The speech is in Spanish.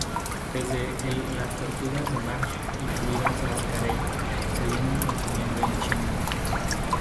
Desde el las tortugas de mar, incluidas las carey, se vienen consumiendo en China.